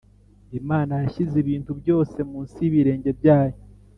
Imana yashyize ibintu byose munsi y ibirenge byayo